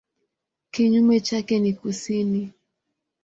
Kinyume chake ni kusini.